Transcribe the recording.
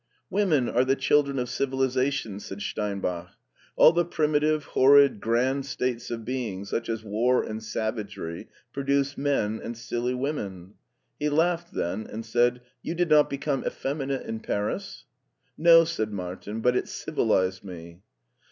"Women are the children of civilization/* said Steinbach. "All the primitive, horrid, grand states of being, such as war and savagery, produce men, and silly women." He laughed then, and said, " You did not become effeminate in Paris ?"" No," said Martin ;" but it civilized me."